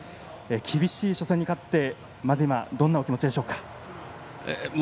厳しい初戦に勝って今、どんなお気持ちでしょうか。